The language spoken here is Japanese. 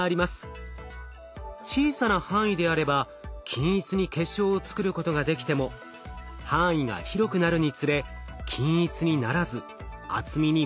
小さな範囲であれば均一に結晶を作ることができても範囲が広くなるにつれ均一にならず厚みにばらつきが出てきます。